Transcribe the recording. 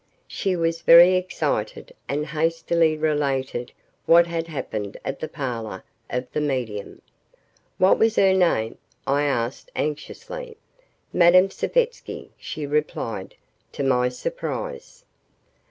She was very excited and hastily related what had happened at the parlor of the medium. "What was her name?" I asked anxiously. "Madame Savetsky," she replied, to my surprise.